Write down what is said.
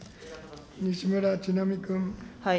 西村智奈美君。